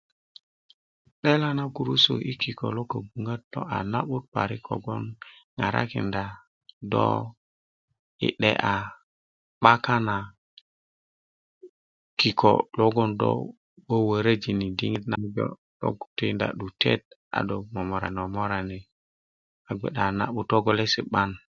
'dela na gurusu i kiko lk kobuŋöt na'but parik ŋarakinda do i de'ya kata na kiko logon dó wöwöröjini kiko loŋ lo jo 'boŋ tii da a 'dute a do momorani momorani na'but togolesi 'ban